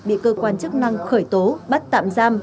bị cơ quan chức năng khởi tố bắt tạm giam